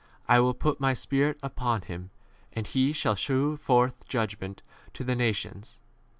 I will put my Spirit upon him, and he shall shew forth judgment to the nations.